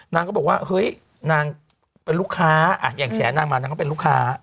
นางก็บอกว่าเฮ้ยนางเป็นลูกค้าอย่างแฉนางมานางก็เป็นลูกค้า